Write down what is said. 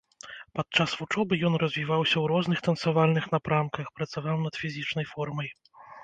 Падчас вучобы ён развіваўся ў розных танцавальных напрамках, працаваў над фізічнай формай.